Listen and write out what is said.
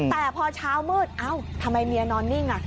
แต่พอเช้ามืดเอ้าทำไมเมียนอนนิ่ง